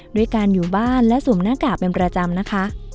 ด้วยการอยู่บ้านและสวมหน้ากากเป็นประจำนะคะ